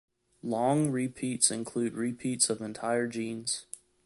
Long repeats include repeats of entire genes.